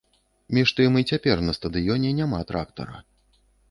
Між тым, і цяпер на стадыёне няма трактара.